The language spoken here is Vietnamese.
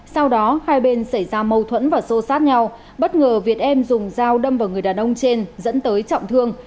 sau đó hai bên xảy ra mâu thuẫn và xô sát nhau bất ngờ việt em dùng dao đâm vào người đàn ông trên dẫn tới trọng thương